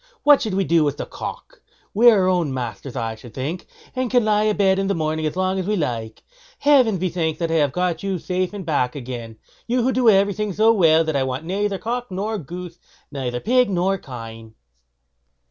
What should we do with the cock? We are our own masters, I should think, and can lie a bed in the morning as long as we like. Heaven be thanked that I have got you safe back again; you who do everything so well that I want neither cock nor goose; neither pigs nor kine."